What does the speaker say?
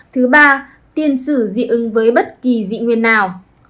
thứ ba tiên sử dị ứng với bất kỳ dị nguyên nào